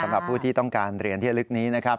สำหรับผู้ที่ต้องการเหรียญเที่ยวลึกนี้นะครับ